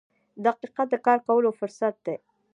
• دقیقه د کار کولو فرصت دی.